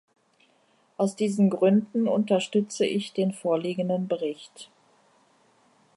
Aus diesen Gründen unterstütze ich den vorliegenden Bericht.